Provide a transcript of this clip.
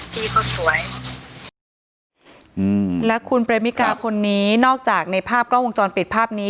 พี่ก็สวยอืมและคุณเปรมิกาคนนี้นอกจากในภาพกล้องวงจรปิดภาพนี้